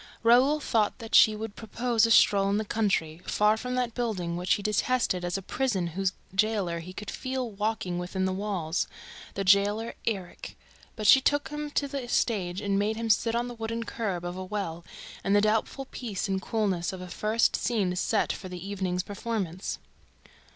Raoul thought that she would propose a stroll in the country, far from that building which he detested as a prison whose jailer he could feel walking within the walls ... the jailer Erik ... But she took him to the stage and made him sit on the wooden curb of a well, in the doubtful peace and coolness of a first scene set for the evening's performance.